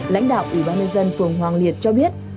lãnh đạo ủy ban nhân dân phường hoàng liệt cho biết